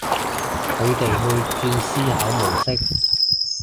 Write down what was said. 佢哋會轉思考模式